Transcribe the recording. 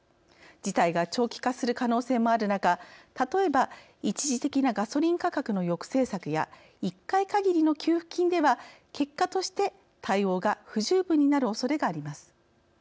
事態が長期化する可能性もある中例えば一時的なガソリン価格の抑制策や１回限りの給付金では結果として対応が不十分になるおそれがあります。